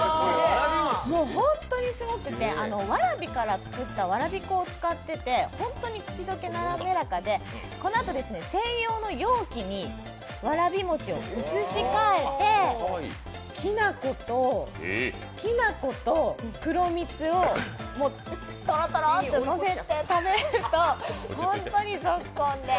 本当にすごくて、わらびから作ったわらび粉を使ってて本当に口溶け滑らかで、このあと専用の容器にわらび餅を移し替えてきな粉と黒蜜をとろとろっとのせて食べると、本当にゾッコンで。